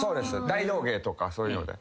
大道芸とかそういうので。